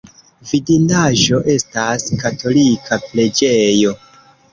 Vidindaĵo estas katolika preĝejo.